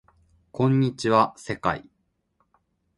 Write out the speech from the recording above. こんにちは世界